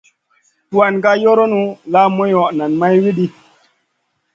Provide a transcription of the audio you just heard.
Tuan ka yoronu la moyo nen may widi.